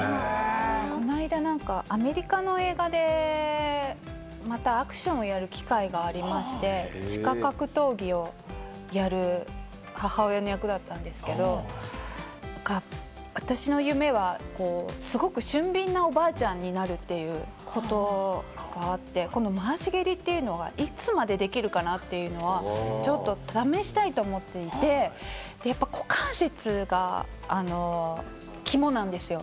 この間、なんかアメリカの映画でまたアクションをやる機会がありまして、地下格闘技をやる母親の役だったんですけれども、私の夢はすごく俊敏なおばあちゃんになるということがあって、回し蹴りというのは、いつまでできるかな？というのはちょっと試したいと思っていて、股関節が肝なんですよ。